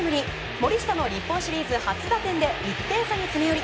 森下の日本シリーズ初打点で１点差に詰め寄り